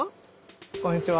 こんにちは。